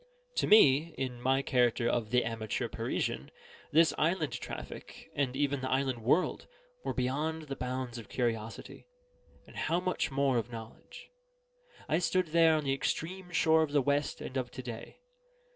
To me, in my character of the Amateur Parisian, this island traffic, and even the island world, were beyond the bounds of curiosity, and how much more of knowledge. I stood there on the extreme shore of the West and of to day.